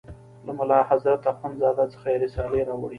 له ملا حضرت اخوند زاده څخه یې رسالې راوړې.